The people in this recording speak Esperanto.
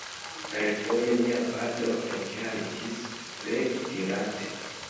Refoje mia patro ekhaltis legi, dirante: